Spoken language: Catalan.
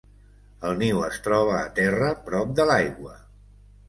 El niu es troba a terra prop de l'aigua.